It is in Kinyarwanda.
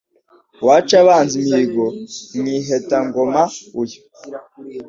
Uwaca abanzi imihigo Mwiheta-ngoma uyu